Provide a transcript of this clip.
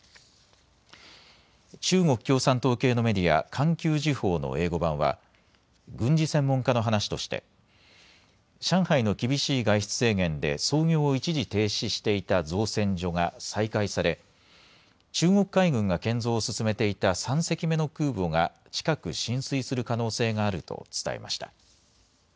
中国共産党系のメディア、環球時報の英語版は軍事専門家の話として上海の厳しい外出制限で操業を一時停止していた造船所が再開され中国海軍が建造を進めていた３隻目の空母が近く進水する可能性があると伝えました。